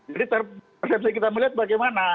jadi persepsi kita melihat bagaimana